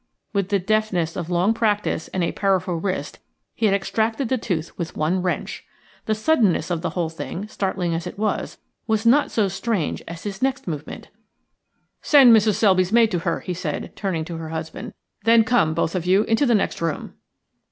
With the deftness of long practice, and a powerful wrist, he had extracted the tooth with one wrench. The suddenness of the whole thing, startling as it was, was not so strange as his next movement. "Send Mrs. Selby's maid to her," he said, turning to her husband; "then come, both of you, into the next room."